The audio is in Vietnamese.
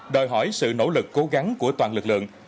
đòi hỏi sự nỗ lực cố gắng của toàn lực lượng